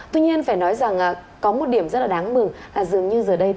tuy nhiên phải nói rằng có một điểm rất đáng mừng là dường như giờ này